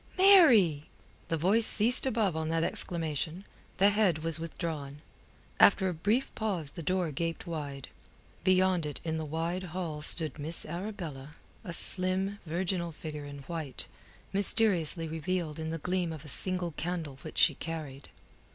"Mary!" The voice ceased above on that exclamation, the head was withdrawn. After a brief pause the door gaped wide. Beyond it in the wide hall stood Miss Arabella, a slim, virginal figure in white, mysteriously revealed in the gleam of a single candle which she carried.